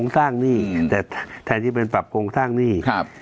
แต่แทนที่เป็นปรับโครงทรักหนี้